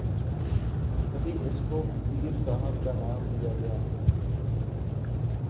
کبھی اسکو پیر صاحب کا نام دیا گیا